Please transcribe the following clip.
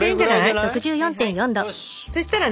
そしたらね